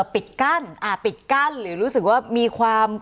ปิดกั้นหรือรู้สึกว่ามีความ